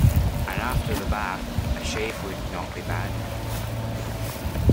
And after the bath a shave would not be bad.